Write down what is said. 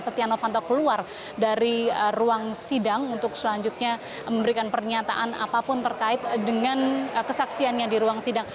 dan setia novanto keluar dari ruang sidang untuk selanjutnya memberikan pernyataan apapun terkait dengan kesaksiannya di ruang sidang